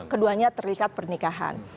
keduanya terikat pernikahan